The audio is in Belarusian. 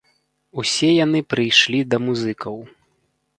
Усе яны прыйшлі да музыкаў.